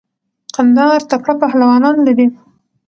قندهار تکړه پهلوانان لری.